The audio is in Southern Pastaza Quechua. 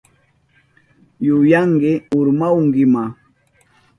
Yuyanki urmahunkima.